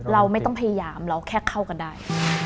เราไม่ต้องพยายามเราแค่เข้ากันได้